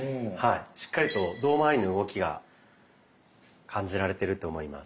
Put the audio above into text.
しっかりと胴まわりの動きが感じられてると思います。